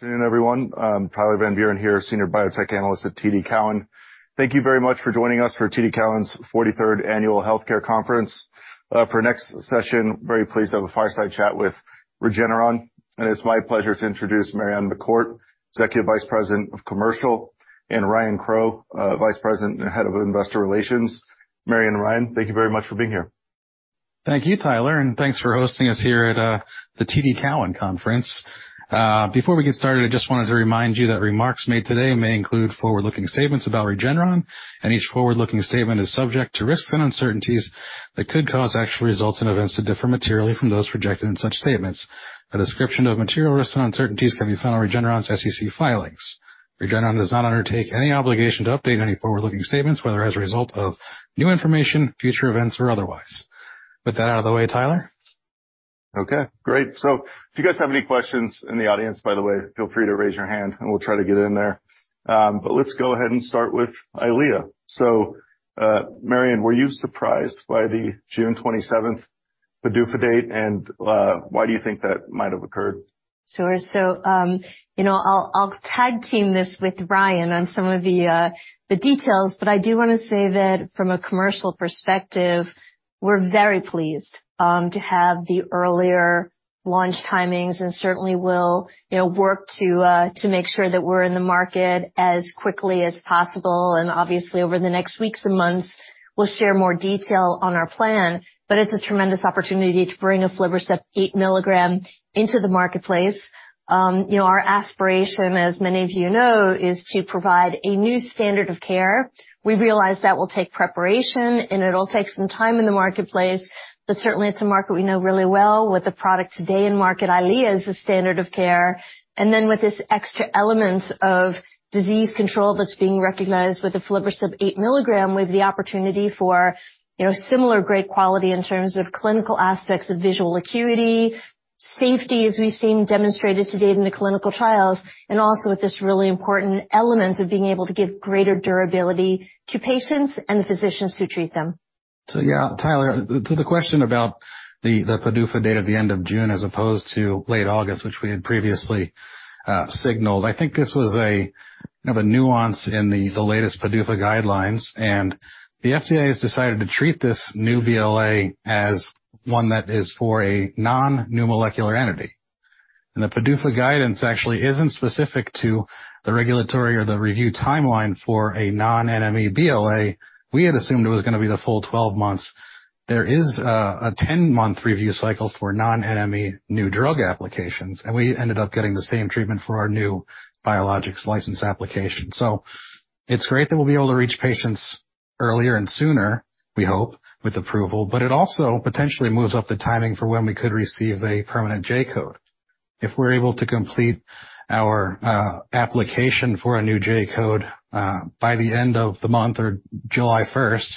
Good afternoon, everyone. Tyler Van Buren here, Senior Biotech Analyst at TD Cowen. Thank you very much for joining us for TD Cowen's 43rd annual healthcare conference. For our next session, very pleased to have a fireside chat with Regeneron. It's my pleasure to introduce Marion McCourt, Executive Vice President of Commercial, and Ryan Crowe, Vice President and Head of Investor Relations. Marion and Ryan, thank you very much for being here. Thank you, Tyler. Thanks for hosting us here at the TD Cowen conference. Before we get started, I just wanted to remind you that remarks made today may include forward-looking statements about Regeneron. Each forward-looking statement is subject to risks and uncertainties that could cause actual results and events to differ materially from those projected in such statements. A description of material risks and uncertainties can be found in Regeneron's SEC filings. Regeneron does not undertake any obligation to update any forward-looking statements, whether as a result of new information, future events, or otherwise. With that out of the way, Tyler? Okay, great. If you guys have any questions in the audience, by the way, feel free to raise your hand and we'll try to get in there. Let's go ahead and start with EYLEA. Marion McCourt, were you surprised by the June 27th PDUFA date, and why do you think that might have occurred? Sure. You know, I'll tag-team this with Ryan on some of the details, but I do wanna say that from a commercial perspective, we're very pleased to have the earlier launch timings, and certainly will, you know, work to make sure that we're in the market as quickly as possible, and obviously, over the next weeks and months, we'll share more detail on our plan. It's a tremendous opportunity to bring aflibercept 8 mg into the marketplace. You know, our aspiration, as many of you know, is to provide a new standard of care. We realize that will take preparation, and it'll take some time in the marketplace, but certainly it's a market we know really well with the product today in market, EYLEA is the standard of care. With this extra element of disease control that's being recognized with aflibercept 8 mg, we have the opportunity for, you know, similar great quality in terms of clinical aspects of visual acuity, safety, as we've seen demonstrated to date in the clinical trials, and also with this really important element of being able to give greater durability to patients and the physicians who treat them. Yeah, Tyler, to the question about the PDUFA date at the end of June as opposed to late August, which we had previously signaled. I think this was a, you know, a nuance in the latest PDUFA guidelines. The FDA has decided to treat this new BLA as one that is for a non-new molecular entity. The PDUFA guidance actually isn't specific to the regulatory or the review timeline for a non NME BLA. We had assumed it was going to be the full 12 months. There is a 10-month review cycle for non NME new drug applications, and we ended up getting the same treatment for our new biologics license application. It's great that we'll be able to reach patients earlier and sooner, we hope, with approval, but it also potentially moves up the timing for when we could receive a permanent J-code. If we're able to complete our application for a new J-code by the end of the month or July 1st,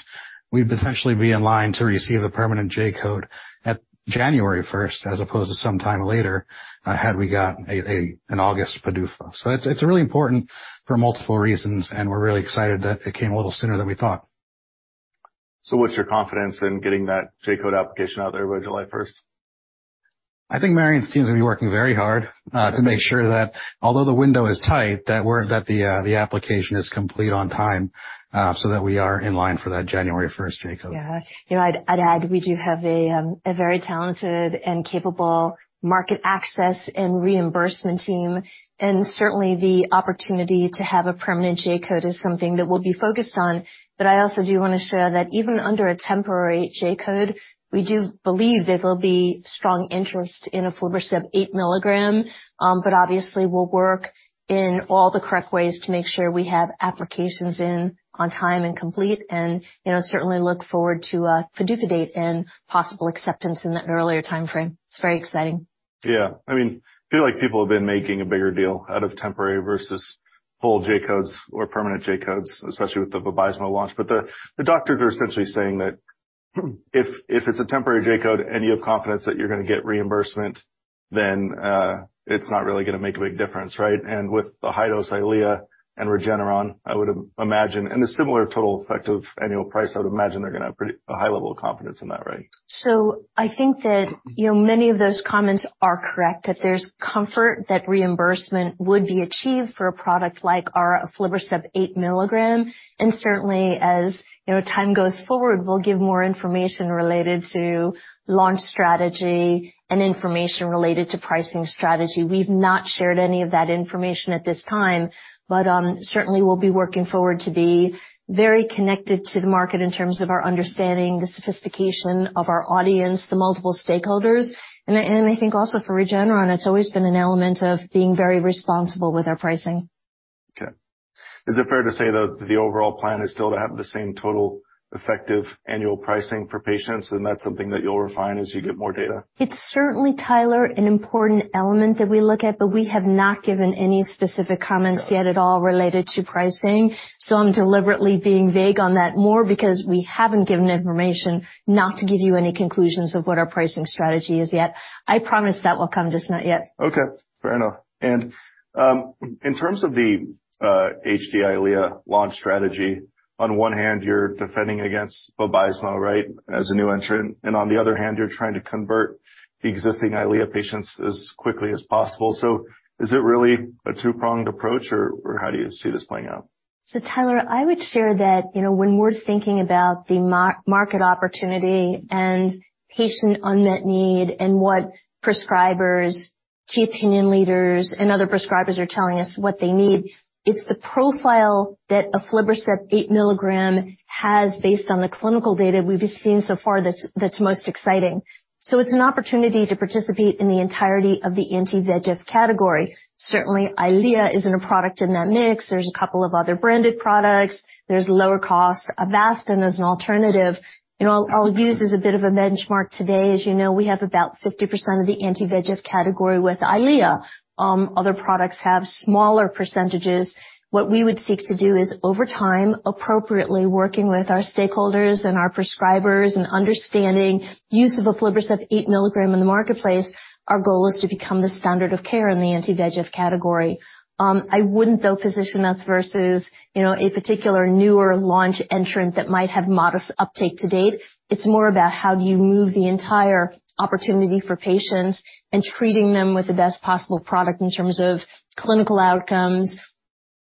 we'd potentially be in line to receive a permanent J-code at January 1st as opposed to sometime later, had we got an August PDUFA. It's really important for multiple reasons, and we're really excited that it came a little sooner than we thought. What's your confidence in getting that J-code application out of there by July first? I think Marion's team's going to be working very hard to make sure that although the window is tight, that we're, that the application is complete on time, so that we are in line for that January first J-code. Yeah. You know, I'd add we do have a very talented and capable market access and reimbursement team. Certainly the opportunity to have a permanent J-code is something that we'll be focused on. I also do wanna share that even under a temporary J-code, we do believe there will be strong interest in aflibercept 8 mg. Obviously we'll work in all the correct ways to make sure we have applications in on time and complete and, you know, certainly look forward to a PDUFA date and possible acceptance in that earlier timeframe. It's very exciting. I mean, I feel like people have been making a bigger deal out of temporary versus full J-codes or permanent J-codes, especially with the Vabysmo launch. The doctors are essentially saying that if it's a temporary J-code and you have confidence that you're gonna get reimbursement, then, it's not really gonna make a big difference, right? With the high-dose EYLEA and Regeneron, I would imagine... A similar total effective annual price, I would imagine they're gonna have pretty a high level of confidence in that, right? I think that, you know, many of those comments are correct, that there's comfort that reimbursement would be achieved for a product like our aflibercept 8 mg. Certainly as, you know, time goes forward, we'll give more information related to launch strategy and information related to pricing strategy. We've not shared any of that information at this time, but, certainly we'll be working forward to be very connected to the market in terms of our understanding, the sophistication of our audience, the multiple stakeholders. I think also for Regeneron, it's always been an element of being very responsible with our pricing. Is it fair to say that the overall plan is still to have the same total effective annual pricing for patients and that's something that you'll refine as you get more data? It's certainly, Tyler, an important element that we look at. We have not given any specific comments yet at all related to pricing. I'm deliberately being vague on that more because we haven't given information, not to give you any conclusions of what our pricing strategy is yet. I promise that will come, just not yet. Okay, fair enough. In terms of the EYLEA HD launch strategy. On one hand, you're defending against Vabysmo, right, as a new entrant, and on the other hand, you're trying to convert the existing EYLEA patients as quickly as possible. Is it really a two-pronged approach, or how do you see this playing out? Tyler, I would share that, you know, when we're thinking about the market opportunity and patient unmet need and what prescribers, key opinion leaders, and other prescribers are telling us what they need, it's the profile that aflibercept 8 mg has based on the clinical data we've seen so far that's most exciting. It's an opportunity to participate in the entirety of the anti-VEGF category. Certainly EYLEA isn't a product in that mix. There's a couple of other branded products. There's lower cost Avastin as an alternative. You know, I'll use as a bit of a benchmark today, as you know, we have about 50% of the anti-VEGF category with EYLEA. Other products have smaller percentages. What we would seek to do is, over time, appropriately working with our stakeholders and our prescribers and understanding use of aflibercept 8 mg in the marketplace, our goal is to become the standard of care in the anti-VEGF category. I wouldn't though position us versus, you know, a particular newer launch entrant that might have modest uptake to date. It's more about how do you move the entire opportunity for patients and treating them with the best possible product in terms of clinical outcomes,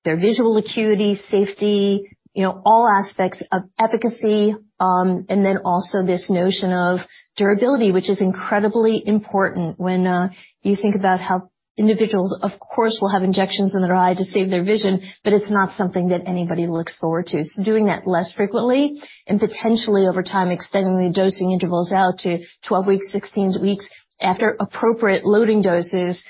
their visual acuity, safety, you know, all aspects of efficacy, and then also this notion of durability, which is incredibly important when you think about how individuals, of course, will have injections in their eye to save their vision, but it's not something that anybody looks forward to. Doing that less frequently and potentially over time extending the dosing intervals out to 12 weeks, 16 weeks after appropriate loading doses,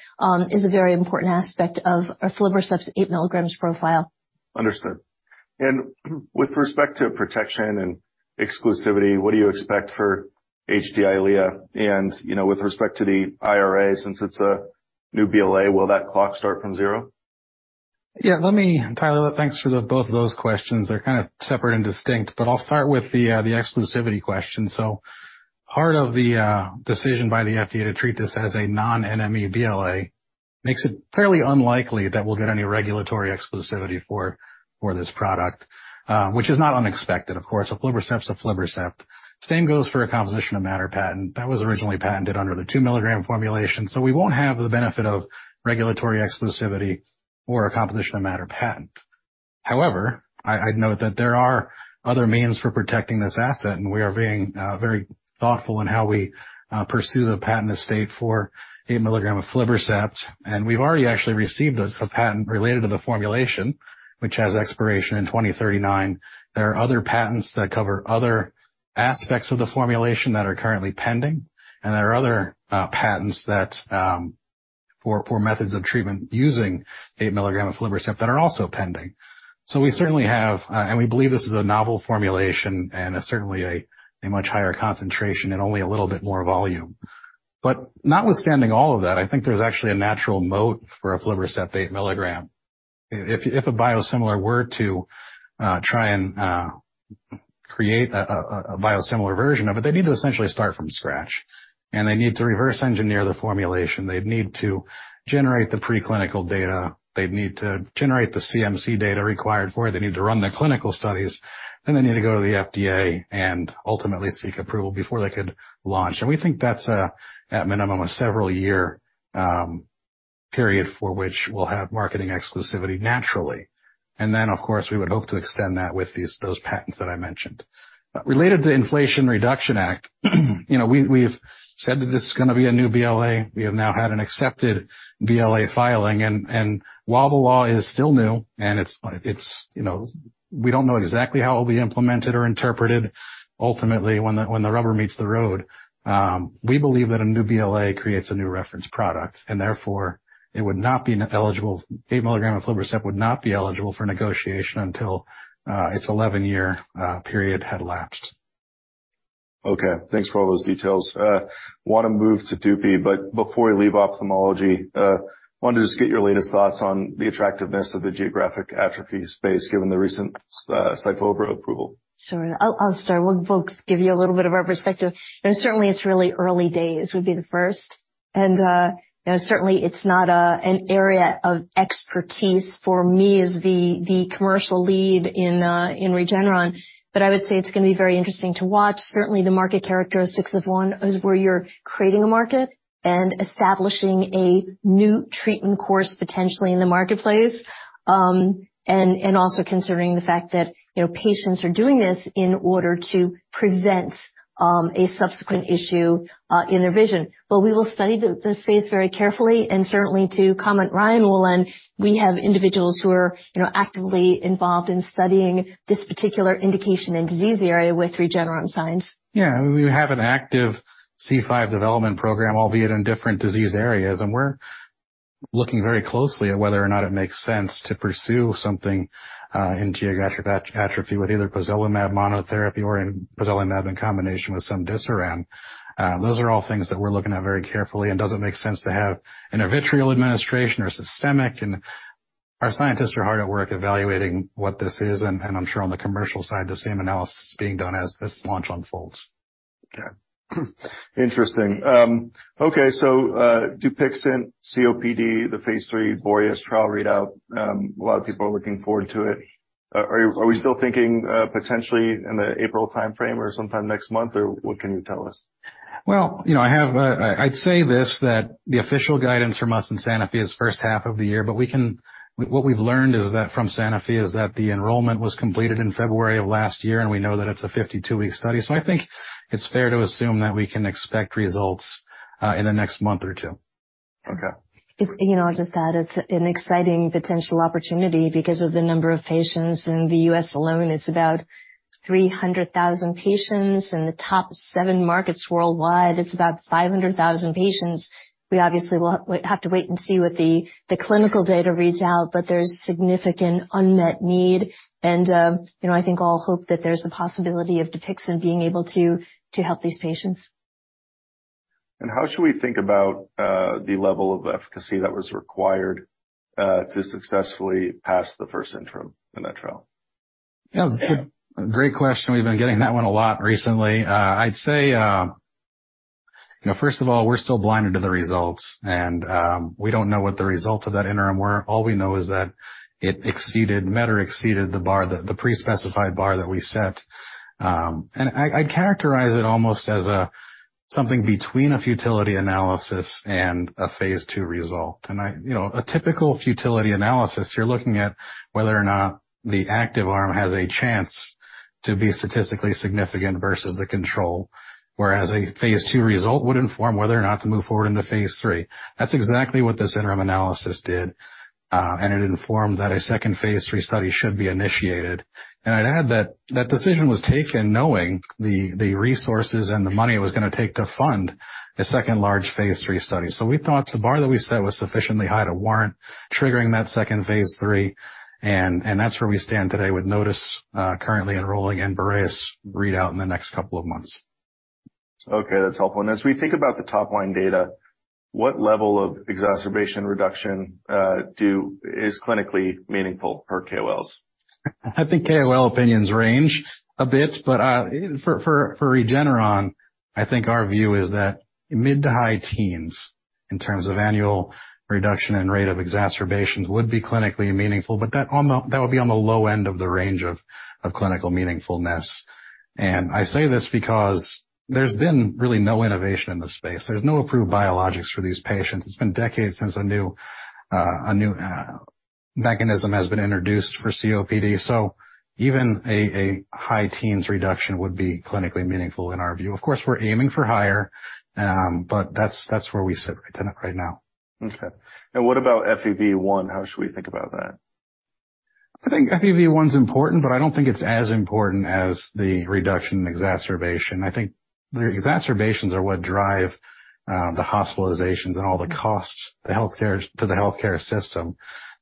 is a very important aspect of aflibercept's 8 mg profile. Understood. With respect to protection and exclusivity, what do you expect for EYLEA HD? You know, with respect to the IRA, since it's a new BLA, will that clock start from zero? Yeah, Tyler, thanks for the both of those questions. They're kind of separate and distinct. I'll start with the exclusivity question. Part of the decision by the FDA to treat this as a non NME BLA makes it fairly unlikely that we'll get any regulatory exclusivity for this product, which is not unexpected of course. Aflibercept's aflibercept. Same goes for a composition of matter patent. That was originally patented under the 2 milligram formulation. We won't have the benefit of regulatory exclusivity or a composition of matter patent. However, I'd note that there are other means for protecting this asset. We are being very thoughtful in how we pursue the patent estate for 8 milligram aflibercept. We've already actually received a patent related to the formulation, which has expiration in 2039. There are other patents that cover other aspects of the formulation that are currently pending, and there are other patents that for methods of treatment using 8 mg aflibercept that are also pending. We certainly have, and we believe this is a novel formulation and certainly a much higher concentration and only a little bit more volume. Notwithstanding all of that, I think there's actually a natural moat for aflibercept 8 mg. If a biosimilar were to try and create a biosimilar version of it, they need to essentially start from scratch, and they need to reverse engineer the formulation. They'd need to generate the preclinical data. They'd need to generate the CMC data required for it. They need to run the clinical studies, then they need to go to the FDA and ultimately seek approval before they could launch. We think that's a, at minimum, a several year period for which we'll have marketing exclusivity naturally. Then, of course, we would hope to extend that with these, those patents that I mentioned. Related to Inflation Reduction Act, you know, we've said that this is gonna be a new BLA. We have now had an accepted BLA filing. While the law is still new, and it's, you know, we don't know exactly how it'll be implemented or interpreted ultimately when the, when the rubber meets the road, we believe that a new BLA creates a new reference product. Therefore, it would not be eligible, 8 milligram aflibercept would not be eligible for negotiation until its 11-year period had lapsed. Okay. Thanks for all those details. I want to move to Dupixent, but before we leave ophthalmology, wanted to just get your latest thoughts on the attractiveness of the geographic atrophy space, given the recent SYFOVRE approval. Sure. I'll start. We'll give you a little bit of our perspective. You know, certainly it's really early days, would be the first. You know, certainly it's not an area of expertise for me as the commercial lead in Regeneron. I would say it's gonna be very interesting to watch. Certainly, the market characteristics of one is where you're creating a market and establishing a new treatment course potentially in the marketplace. Also considering the fact that, you know, patients are doing this in order to prevent a subsequent issue in their vision. We will study the space very carefully and certainly to comment Ryan Wolen, we have individuals who are, you know, actively involved in studying this particular indication and disease area with Regeneron Science. Yeah. I mean, we have an active C5 development program, albeit in different disease areas. We're looking very closely at whether or not it makes sense to pursue something in geographic atrophy with either pozalimab monotherapy or in pozalimab in combination with cemdisiran. Those are all things that we're looking at very carefully and doesn't make sense to have in a intravitreal administration or systemic. Our scientists are hard at work evaluating what this is. I'm sure on the commercial side, the same analysis is being done as this launch unfolds. Interesting. Okay. Dupixent COPD, the phase III BOREAS trial readout, a lot of people are looking forward to it. Are we still thinking potentially in the April timeframe or sometime next month, or what can you tell us? Well, you know, I'd say this, that the official guidance from us and Sanofi is first half of the year. What we've learned is that from Sanofi is that the enrollment was completed in February of last year, and we know that it's a 52-week study. I think it's fair to assume that we can expect results in the next month or two. Okay. You know, just to add, it's an exciting potential opportunity because of the number of patients in the U.S. alone. It's about 300,000 patients, in the top seven markets worldwide, it's about 500,000 patients. We obviously will have to wait and see what the clinical data reads out, there's significant unmet need. You know, I think all hope that there's a possibility of dupixent being able to help these patients. How should we think about the level of efficacy that was required to successfully pass the first interim in that trial? Yeah. Great question. We've been getting that one a lot recently. I'd say, you know, first of all, we're still blinded to the results, and we don't know what the results of that interim were. All we know is that it exceeded the bar, the pre-specified bar that we set. I'd characterize it almost as a-- something between a futility analysis and a phase two result. You know, a typical futility analysis, you're looking at whether or not the active arm has a chance to be statistically significant versus the control, whereas a phase II result would inform whether or not to move forward into phase III. That's exactly what this interim analysis did, and it informed that a second phase three study should be initiated. I'd add that that decision was taken knowing the resources and the money it was gonna take to fund a second large phase III study. We thought the bar that we set was sufficiently high to warrant triggering that second phase III, and that's where we stand today with Notice currently enrolling in BOREAS readout in the next couple of months. Okay. That's helpful. As we think about the top-line data, what level of exacerbation reduction is clinically meaningful per KOLs? I think KOL opinions range a bit, but for Regeneron, I think our view is that mid to high teens in terms of annual reduction and rate of exacerbations would be clinically meaningful, but that would be on the low end of the range of clinical meaningfulness. I say this because there's been really no innovation in this space. There's no approved biologics for these patients. It's been decades since a new mechanism has been introduced for COPD. Even a high teens reduction would be clinically meaningful in our view. Of course, we're aiming for higher, but that's where we sit right now. Okay. What about FEV1, how should we think about that? I think FEV1 is important. I don't think it's as important as the reduction in exacerbation. I think the exacerbations are what drive the hospitalizations and all the costs to the healthcare system.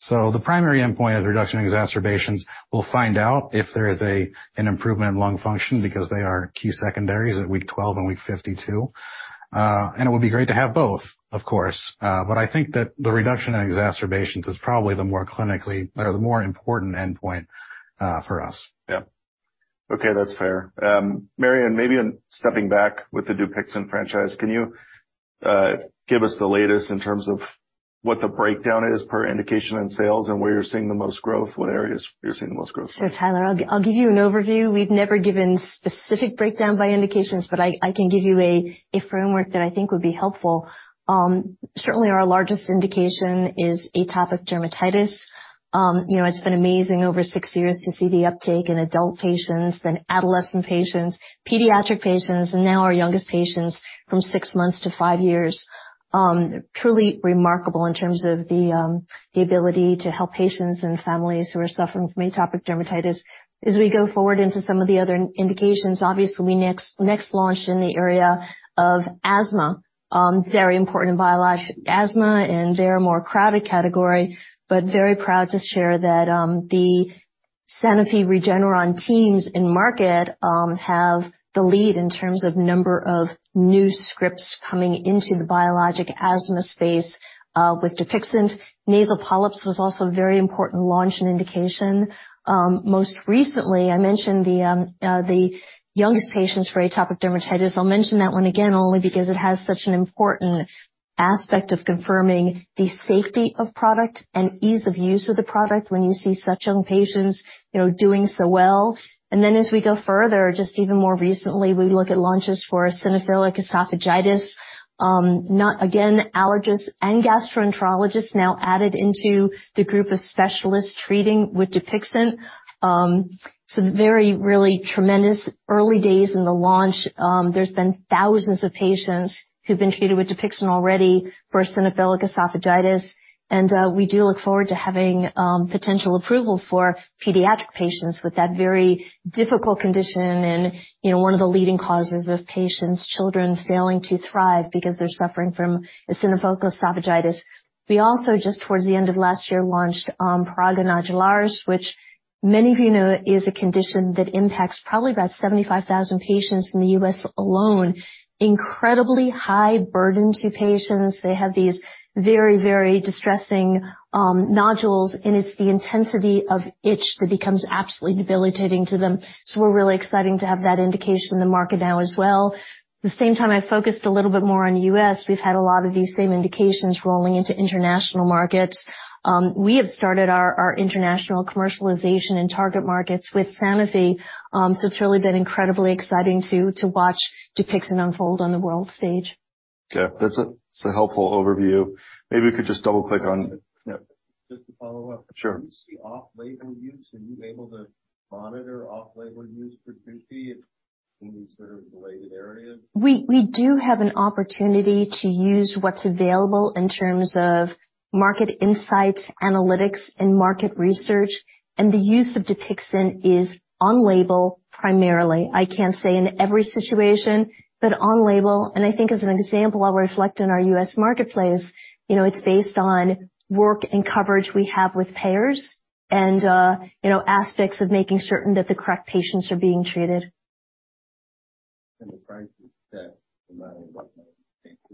The primary endpoint is reduction exacerbations. We'll find out if there is an improvement in lung function because they are key secondaries at week 12 and week 52. It would be great to have both, of course. I think that the reduction in exacerbations is probably the more clinically or the more important endpoint for us. Yeah. Okay. That's fair. Marion, maybe in stepping back with the dupixent franchise, can you give us the latest in terms of what the breakdown is per indication in sales and where you're seeing the most growth, what areas you're seeing the most growth? Sure, Tyler. I'll give you an overview. We've never given specific breakdown by indications, but I can give you a framework that I think would be helpful. Certainly our largest indication is atopic dermatitis. You know, it's been amazing over six years to see the uptake in adult patients then adolescent patients, pediatric patients, and now our youngest patients from six months to five years. Truly remarkable in terms of the ability to help patients and families who are suffering from atopic dermatitis. As we go forward into some of the other indications, obviously, we next launch in the area of asthma. Very important in biologic asthma, and they're a more crowded category, but very proud to share that the Sanofi Regeneron teams in market have the lead in terms of number of new scripts coming into the biologic asthma space with dupixent. Nasal polyps was also a very important launch and indication. Most recently, I mentioned the youngest patients for atopic dermatitis. I'll mention that one again, only because it has such an important aspect of confirming the safety of product and ease of use of the product when you see such young patients, you know, doing so well. As we go further, just even more recently, we look at launches for eosinophilic esophagitis, not, again, allergists and gastroenterologists now added into the group of specialists treating with dupixent. Very really tremendous early days in the launch. There's been thousands of patients who've been treated with dupixent already for eosinophilic esophagitis. We do look forward to having potential approval for pediatric patients with that very difficult condition and, you know, one of the leading causes of patients, children failing to thrive because they're suffering from eosinophilic esophagitis. We also, just towards the end of last year, launched Paragon Agilaris. Many of you know it is a condition that impacts probably about 75,000 patients in the U.S. alone. Incredibly high burden to patients. They have these very, very distressing nodules, and it's the intensity of itch that becomes absolutely debilitating to them. We're really exciting to have that indication in the market now as well. The same time, I focused a little bit more on U.S. We've had a lot of these same indications rolling into international markets. We have started our international commercialization in target markets with Sanofi. It's really been incredibly exciting to watch dupixent unfold on the world stage. Okay. That's a helpful overview. Maybe we could just double-click on... Yeah. Just to follow up. Sure. Do you see off-label use? Are you able to monitor off-label use for dupixent in these sort of related areas? We do have an opportunity to use what's available in terms of market insights, analytics, and market research, and the use of dupixent is on label primarily. I can't say in every situation, but on label, and I think as an example, I'll reflect in our U.S. marketplace. You know, it's based on work and coverage we have with payers and, you know, aspects of making certain that the correct patients are being treated. The price is the same no matter what.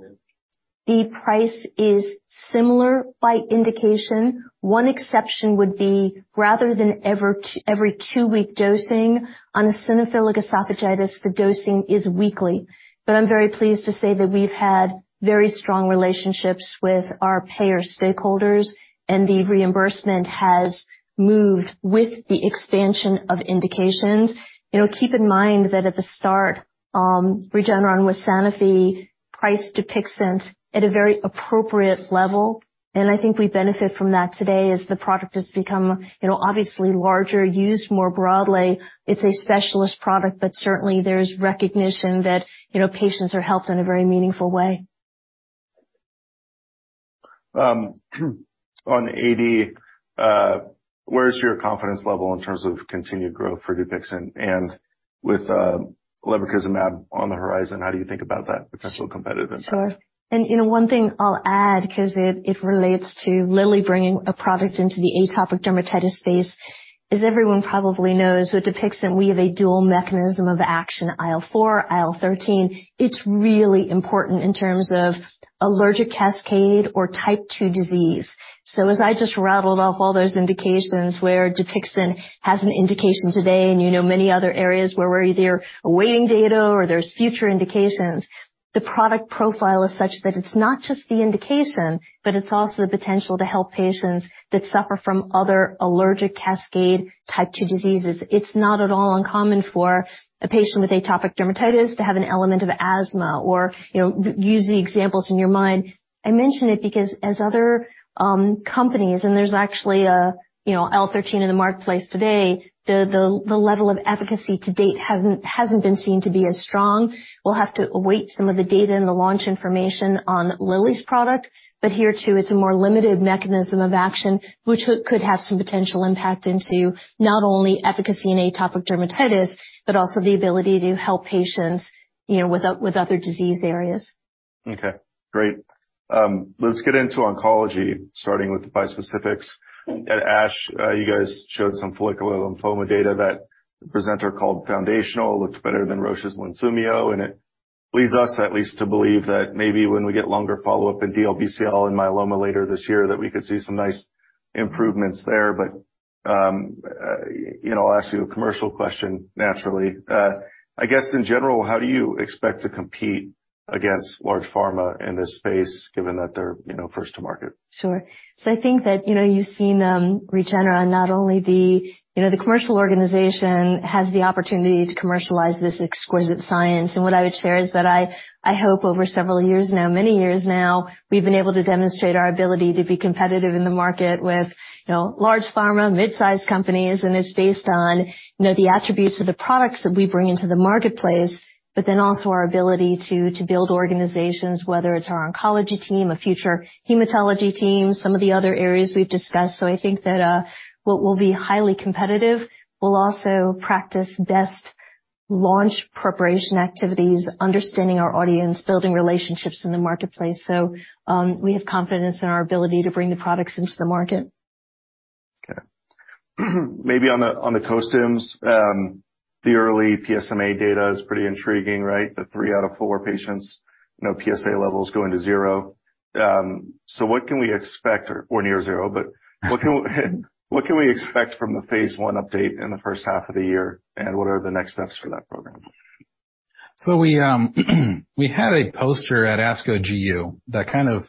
The price is similar by indication. One exception would be, rather than every two-week dosing, on eosinophilic esophagitis, the dosing is weekly. I'm very pleased to say that we've had very strong relationships with our payer stakeholders, and the reimbursement has moved with the expansion of indications. You know, keep in mind that at the start, Regeneron with Sanofi priced dupixent at a very appropriate level, and I think we benefit from that today as the product has become, you know, obviously larger, used more broadly. It's a specialist product, but certainly, there's recognition that, you know, patients are helped in a very meaningful way. On AD, where is your confidence level in terms of continued growth for dupixent and with lebrikizumab on the horizon, how do you think about that potential competitive impact? Sure. You know, one thing I'll add because it relates to Lilly bringing a product into the atopic dermatitis space. As everyone probably knows, with dupixent we have a dual mechanism of action. IL-4, IL-13. It's really important in terms of allergic cascade or Type 2 disease. As I just rattled off all those indications where dupixent has an indication today and you know many other areas where we're either awaiting data or there's future indications, the product profile is such that it's not just the indication, but it's also the potential to help patients that suffer from other allergic cascade Type 2 diseases. It's not at all uncommon for a patient with atopic dermatitis to have an element of asthma or, you know, use the examples in your mind. I mention it because as other companies, and there's actually a, you know, IL-13 in the marketplace today, the level of efficacy to date hasn't been seen to be as strong. We'll have to await some of the data and the launch information on Lilly's product. Here, too, it's a more limited mechanism of action, which could have some potential impact into not only efficacy in atopic dermatitis but also the ability to help patients, you know, with other disease areas. Okay. Great. Let's get into oncology, starting with the bispecifics. At ASH, you guys showed some follicular lymphoma data that the presenter called foundational. It's better than Roche's Lunsumio, and it leads us at least to believe that maybe when we get longer follow-up in DLBCL and myeloma later this year, that we could see some nice improvements there. You know, I'll ask you a commercial question naturally. I guess in general, how do you expect to compete against large pharma in this space given that they're, you know, first to market? Sure. I think that, you know, you've seen Regeneron. You know, the commercial organization has the opportunity to commercialize this exquisite science. What I would share is that I hope over several years now, many years now, we've been able to demonstrate our ability to be competitive in the market with, you know, large pharma, mid-sized companies. It's based on, you know, the attributes of the products that we bring into the marketplace. Also our ability to build organizations, whether it's our oncology team, a future hematology team, some of the other areas we've discussed. I think that, what we'll be highly competitive, we'll also practice best launch preparation activities, understanding our audience, building relationships in the marketplace. We have confidence in our ability to bring the products into the market. Okay. Maybe on the co-stims, the early PSMA data is pretty intriguing, right? The 3/4 patients, you know, PSA levels going to zero. What can we expect or near zero, but what can we expect from the phase I update in the first half of the year, and what are the next steps for that program? We had a poster at ASCO GU that kind of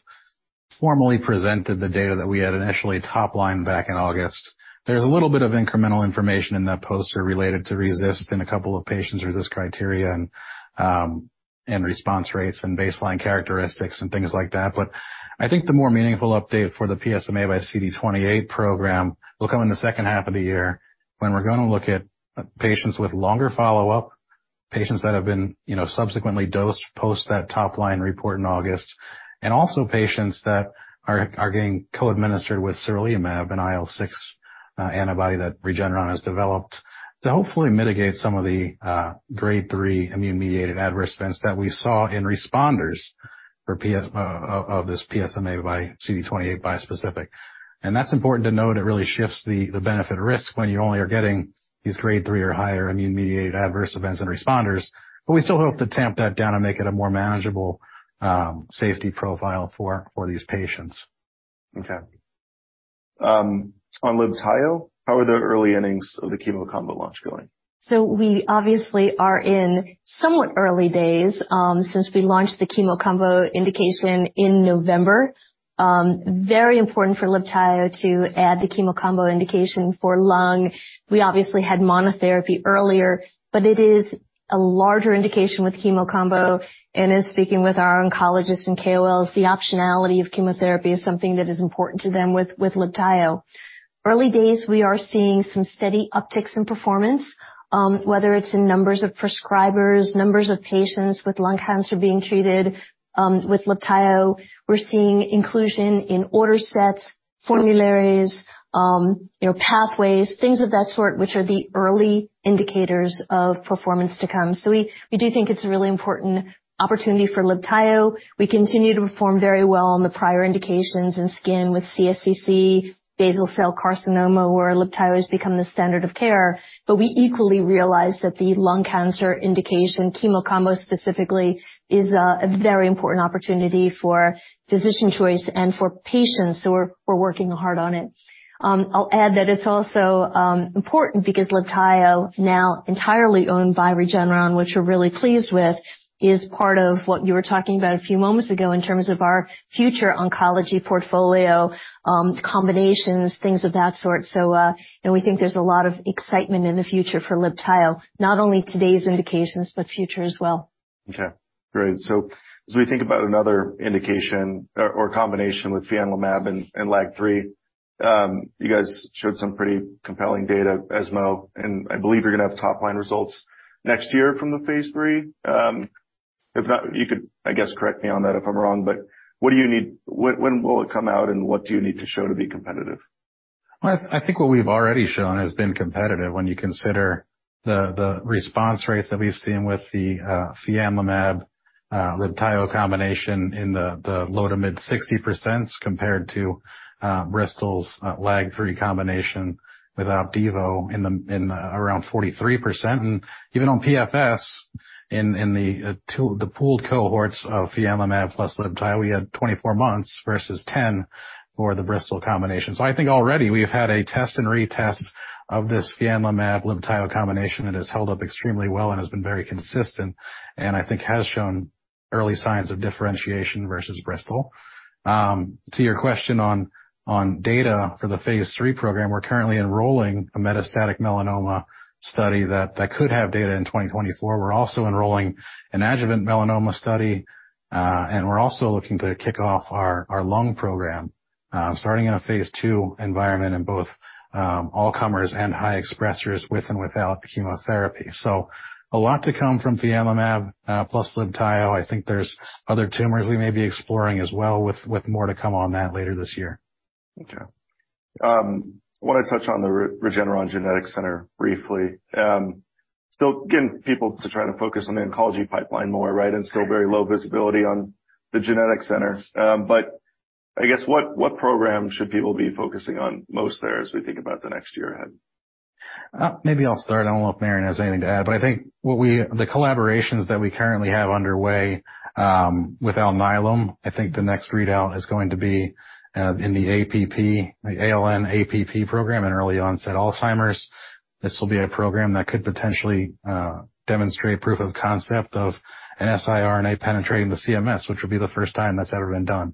formally presented the data that we had initially top-lined back in August. There's a little bit of incremental information in that poster related to RECIST in a couple of patients, RECIST criteria and response rates and baseline characteristics and things like that. I think the more meaningful update for the PSMAxCD28 program will come in the second half of the year when we're gonna look at patients with longer follow-up, patients that have been, you know, subsequently dosed post that top-line report in August, and also patients that are getting co-administered with sarilumab, an IL-6 antibody that Regeneron has developed to hopefully mitigate some of the grade 3 immune-mediated adverse events that we saw in responders. For of this PSMA by CD28 bispecific. That's important to note, it really shifts the benefit-to- risk when you only are getting these grade 3 or higher immune-mediated adverse events and responders. We still hope to tamp that down and make it a more manageable safety profile for these patients. On libtayo, how are the early innings of the chemo combo launch going? We obviously are in somewhat early days since we launched the chemo combo indication in November. Very important for libtayo to add the chemo combo indication for lung. We obviously had monotherapy earlier, but it is a larger indication with chemo combo and is speaking with our oncologists and KOLs. The optionality of chemotherapy is something that is important to them with libtayo. Early days, we are seeing some steady upticks in performance, whether it's in numbers of prescribers, numbers of patients with lung cancer being treated with libtayo. We're seeing inclusion in order sets, formularies, you know, pathways, things of that sort, which are the early indicators of performance to come. we do think it's a really important opportunity for libtayo. We continue to perform very well on the prior indications in skin with CSCC, basal cell carcinoma, where libtayo has become the standard of care. We equally realize that the lung cancer indication, chemo combo specifically, is a very important opportunity for physician choice and for patients. We're working hard on it. I'll add that it's also important because libtayo, now entirely owned by Regeneron, which we're really pleased with, is part of what you were talking about a few moments ago in terms of our future oncology portfolio, combinations, things of that sort. We think there's a lot of excitement in the future for libtayo, not only today's indications, but future as well. Okay, great. As we think about another indication or combination with fianlimab and LAG-3, you guys showed some pretty compelling data, ESMO, and I believe you're going to have top-line results next year from the phase III. If not, you could, I guess, correct me on that if I'm wrong, but what do you need? When will it come out, and what do you need to show to be competitive? I think what we've already shown has been competitive when you consider the response rates that we've seen with the fianlimab libtayo combination in the low to mid 60% compared to Bristol's LAG-3 combination without devo in around 43%. Even on PFS in the pooled cohorts of fianlimab plus libtayo, we had 24 months versus 10 for the Bristol combination. I think already we've had a test and retest of this fianlimab-libtayo combination. It has held up extremely well and has been very consistent, and I think has shown early signs of differentiation versus Bristol. To your question on data for the phase III program, we're currently enrolling a metastatic melanoma study that could have data in 2024. We're also enrolling an adjuvant melanoma study, and we're also looking to kick off our lung program, starting in a phase II environment in both, all-comers and high expressers, with and without chemotherapy. A lot to come from fianlimab, plus libtayo. I think there's other tumors we may be exploring as well, with more to come on that later this year. Okay. I wanna touch on the Regeneron Genetics Center briefly. Still getting people to try to focus on the oncology pipeline more, right? Still very low visibility on the Genetics Center. I guess what program should people be focusing on most there as we think about the next year ahead? Maybe I'll start. I don't know if Marion has anything to add, but I think the collaborations that we currently have underway with Alnylam, I think the next readout is going to be in the APP, the ALN-APP program in early onset Alzheimer's. This will be a program that could potentially demonstrate proof of concept of an siRNA penetrating the CNS, which will be the first time that's ever been done.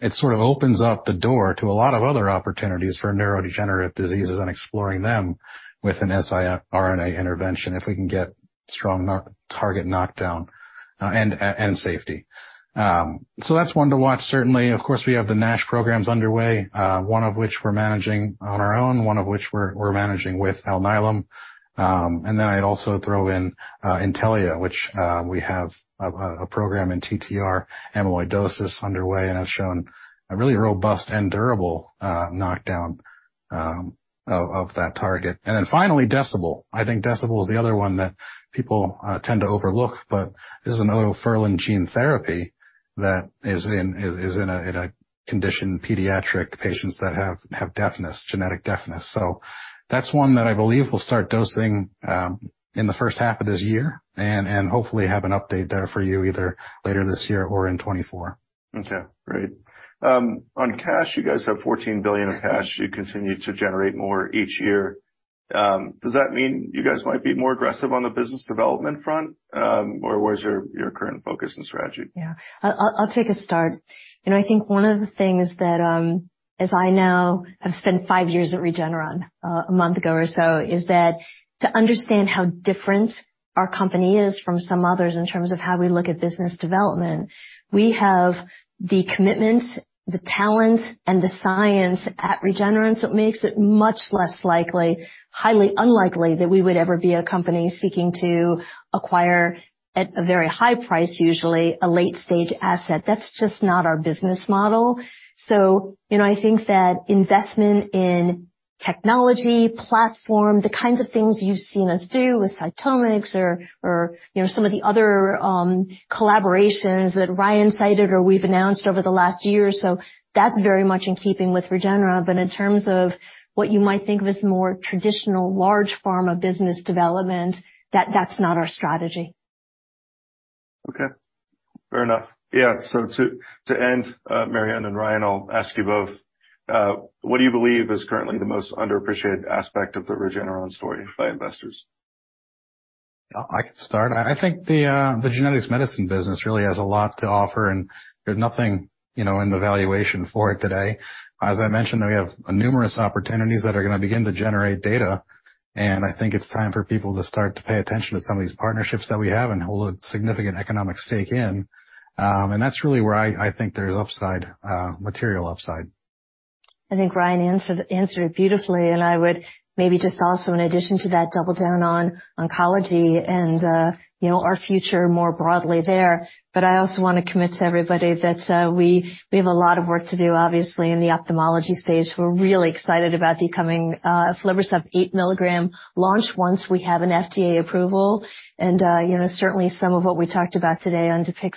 It sort of opens up the door to a lot of other opportunities for neurodegenerative diseases and exploring them with an siRNA intervention if we can get strong target knockdown and safety. That's one to watch, certainly. Of course, we have the NASH programs underway, one of which we're managing on our own, one of which we're managing with Alnylam. I'd also throw in Intellia, which we have a program in TTR amyloidosis underway, and has shown a really robust and durable knockdown of that target. Finally, Decibel. I think Decibel is the other one that people tend to overlook, but this is an otoferlin gene therapy that is in a condition pediatric patients that have deafness, genetic deafness. That's one that I believe will start dosing in the first half of this year and hopefully have an update there for you either later this year or in 2024. Okay, great. On cash, you guys have $14 billion in cash. You continue to generate more each year. Does that mean you guys might be more aggressive on the business development front? What is your current focus and strategy? Yeah. I'll take a start. You know, I think one of the things that, as I now have spent 5 years at Regeneron, a month ago or so, is that to understand how different our company is from some others in terms of how we look at business development, we have the commitment, the talent and the science at Regeneron, so it makes it much less likely, highly unlikely that we would ever be a company seeking to acquire at a very high price, usually, a late-stage asset. That's just not our business model. You know, I think that investment in technology, platform, the kinds of things you've seen us do with CytomX or you know, some of the other, collaborations that Ryan cited or we've announced over the last year. That's very much in keeping with Regeneron. In terms of what you might think of as more traditional large pharma business development, that's not our strategy. Okay, fair enough. Yeah. To end, Marion and Ryan, I'll ask you both, what do you believe is currently the most underappreciated aspect of the Regeneron story by investors? I can start. I think the genetics medicine business really has a lot to offer. There's nothing, you know, in the valuation for it today. As I mentioned, we have numerous opportunities that are gonna begin to generate data. I think it's time for people to start to pay attention to some of these partnerships that we have and hold a significant economic stake in. That's really where I think there's upside, material upside. I think Ryan answered it beautifully. I would maybe just also, in addition to that, double down on oncology and, you know, our future more broadly there. I also wanna commit to everybody that, we have a lot of work to do, obviously, in the ophthalmology space. We're really excited about the coming aflibercept 8 mg launch once we have an FDA approval. You know, certainly some of what we talked about today on dupixent.